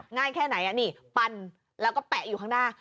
ง่ายแค่ไหนนี่ปันแล้วก็แปะอยู่ข้างหน้า